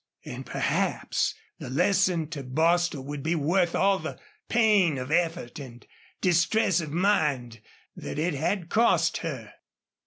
And perhaps the lesson to Bostil would be worth all the pain of effort and distress of mind that it had cost her.